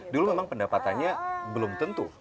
dulu memang pendapatannya belum tentu